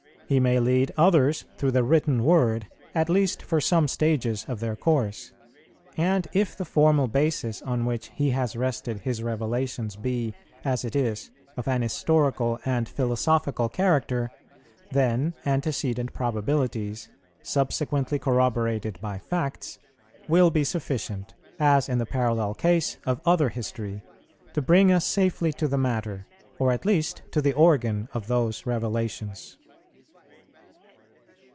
He may lead others through the written word, at least for some stages of their course; and if the formal basis on which He has rested His revelations be, as it is, of an historical and philosophical character, then antecedent probabilities, subsequently corroborated by facts, will be sufficient, as in the parallel case of other history, to bring us safely to the matter, or at least to the organ, of those revelations.